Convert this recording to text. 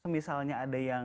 misalnya ada yang